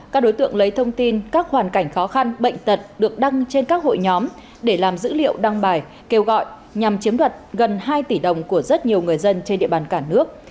các đối tượng lấy thông tin các hoàn cảnh khó khăn bệnh tật được đăng trên các hội nhóm để làm dữ liệu đăng bài kêu gọi nhằm chiếm đoạt gần hai tỷ đồng của rất nhiều người dân trên địa bàn cả nước